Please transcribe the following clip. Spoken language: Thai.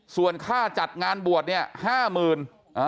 ส่วนค่าจัดงานบวชนี่๕หมื่น